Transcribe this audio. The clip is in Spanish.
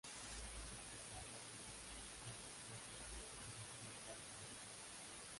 Se trasladó a Londres, Inglaterra, y comenzó a viajar por Europa.